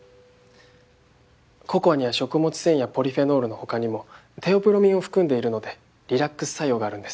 ココアには食物繊維やポリフェノールの他にもテオブロミンを含んでいるのでリラックス作用があるんです。